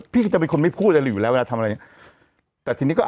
พี่จะเป็นคนไม่พูดอยู่แล้วเวลาทำอะไรอย่างนี้